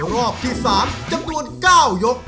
รอบที่๓จำนวน๙ยก